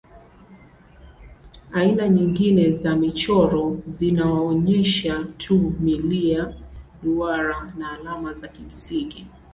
Aina nyingine za michoro zinaonyesha tu milia, duara au alama za kimsingi.